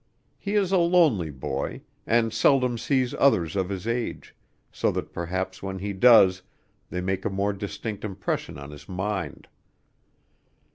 He is a lonely boy, and seldom sees others of his age, so that perhaps when he does they make a more distinct impression on his mind.